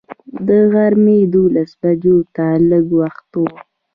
د غرمې دولس بجو ته لږ وخت و.